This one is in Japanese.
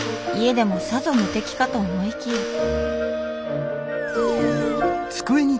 家でもさぞ無敵かと思いきや。